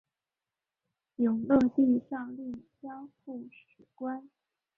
永乐帝诏令交付史官。